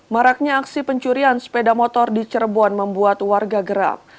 maraknya aksi pencurian sepeda motor di cirebon membuat warga gerak